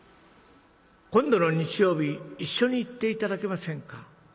『今度の日曜日一緒に行って頂けませんか？